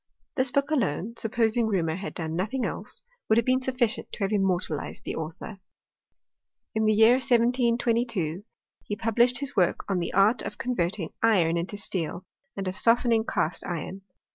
This book alone, supposing Reaumur had done nothing else, would have been sufficient to have immortalized the author. In the year 1722 he published his work on the art of converting iron into steely and of softening cast ' iron.